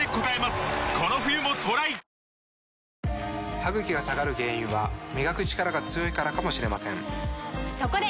歯ぐきが下がる原因は磨くチカラが強いからかもしれませんそこで！